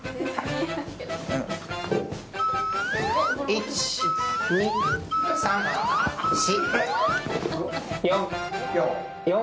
１、２、３、４。